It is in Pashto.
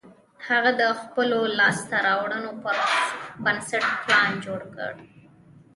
هغه د خپلو لاسته رواړنو پر بنسټ پلان جوړ کړ